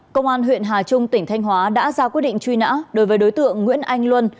công an huyện hà trung tỉnh thanh hóa đã ra quyết định truy nã đối với đối tượng nguyễn anh luân